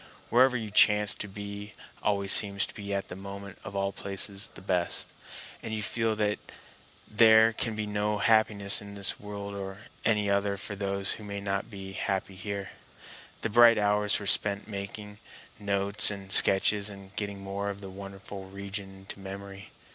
Wherever you chance to be always seems at the moment of all places the best; and you feel that there can be no happiness in this world or in any other for those who may not be happy here. The bright hours were spent in making notes and sketches and getting more of the wonderful region into memory.